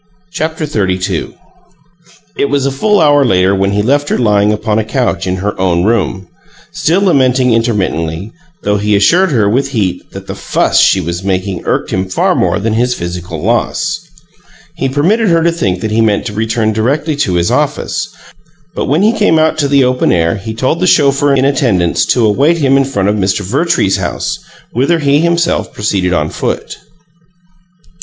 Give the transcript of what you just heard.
CHAPTER XXXII It was a full hour later when he left her lying upon a couch in her own room, still lamenting intermittently, though he assured her with heat that the "fuss" she was making irked him far more than his physical loss. He permitted her to think that he meant to return directly to his office, but when he came out to the open air he told the chauffeur in attendance to await him in front of Mr. Vertrees's house, whither he himself proceeded on foot.